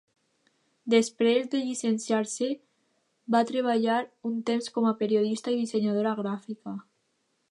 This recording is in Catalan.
Després de llicenciar-se, va treballar un temps com a periodista i dissenyadora gràfica.